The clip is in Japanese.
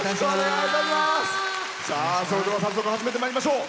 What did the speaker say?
それでは早速、始めてまいりましょう。